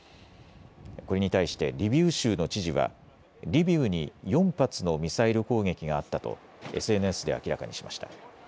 これに対してリビウ州の知事はリビウに４発のミサイル攻撃があったとＳＮＳで明らかにしました。